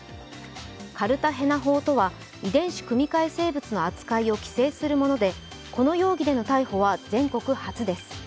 カルタヘナ法とは、遺伝子組み換え生物の扱いを規制するものでこの容疑での逮捕は全国初です。